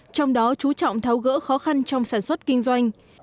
trong đó chú trọng tháo gỡ khó khăn trong sản xuất kinh doanh